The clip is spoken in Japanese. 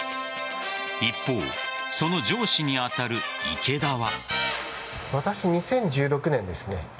一方、その上司に当たる池田は。